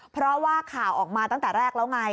เพราะว่าข่าวออกมาตั้งแต่แรกแล้วไง